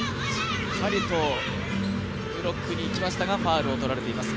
ブロックにいきましたがファウルをとられています。